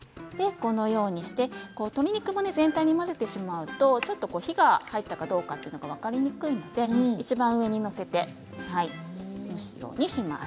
このようにして鶏肉に全体に混ぜてしまうと火が入ったかどうか分かりにくいのでいちばん上に載せて蒸すようにします。